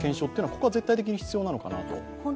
ここは絶対的に必要なのかなと。